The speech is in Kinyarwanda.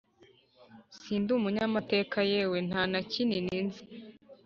sindi umunyamateka yewe ntanakinini nzi